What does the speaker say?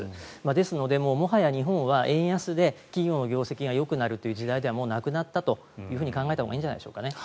ですので、もはや日本は円安で企業の業績がよくなるという時代ではもうなくなったというふうに考えたほうがいいんじゃないですかね。